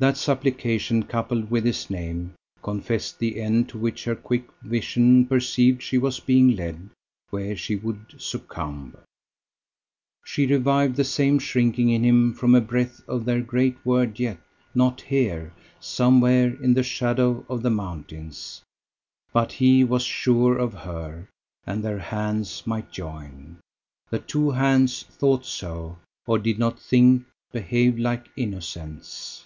That supplication coupled with his name confessed the end to which her quick vision perceived she was being led, where she would succumb. She revived the same shrinking in him from a breath of their great word yet: not here; somewhere in the shadow of the mountains. But he was sure of her. And their hands might join. The two hands thought so, or did not think, behaved like innocents.